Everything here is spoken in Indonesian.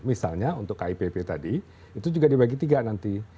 misalnya untuk kipp tadi itu juga dibagi tiga nanti